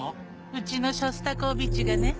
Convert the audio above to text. うちのショスタコーヴィチがね。